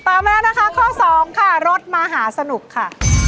มาแล้วนะคะข้อสองค่ะรถมหาสนุกค่ะ